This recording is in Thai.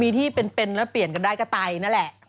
มีที่เป็นแล้วเปลี่ยนกันได้ก็ไตนั่นแหละ